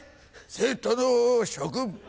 生徒の諸君！